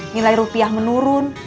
nilai rupiah menurun